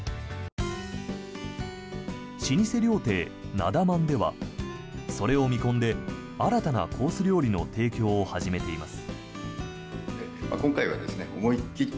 老舗料亭なだ万ではそれを見込んで新たなコース料理の提供を始めています。